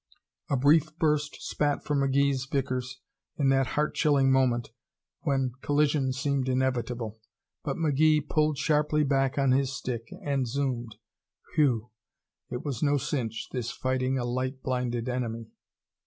A brief burst spat from McGee's Vickers in that heart chilling moment when collision seemed inevitable, but McGee pulled sharply back on his stick and zoomed. Whew! It was no cinch, this fighting a light blinded enemy.